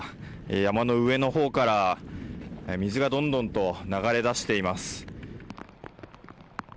山の上のほうから水がどんどんと流れ出しています。